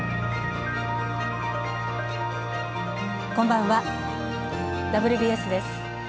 こんばんは「ＷＢＳ」です。